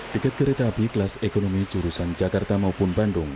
tiket kereta api kelas ekonomi jurusan jakarta maupun bandung